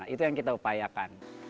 itu yang kita upayakan